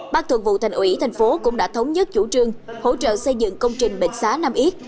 bác thượng vụ thành ủy tp hcm cũng đã thống nhất chủ trương hỗ trợ xây dựng công trình bệnh xá nam yết